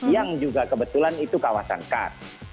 yang juga kebetulan itu kawasan kars